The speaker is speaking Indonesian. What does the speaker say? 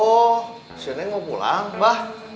oh si neng mau pulang mbah